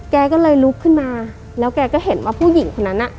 แกก็เลยลุกขึ้นมาแล้วแกก็เห็นว่าผู้หญิงคนนั้นน่ะ